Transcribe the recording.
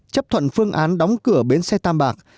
chấp thuận phương án đóng cửa bến xe tam bạc